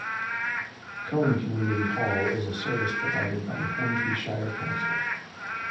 Cowan Community Hall is a service provided by Hornsby Shire Council.